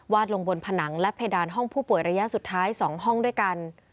ลงบนผนังและเพดานห้องผู้ป่วยระยะสุดท้าย๒ห้องด้วยกัน